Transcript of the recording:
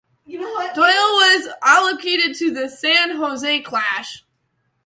Doyle was allocated to the San Jose Clash.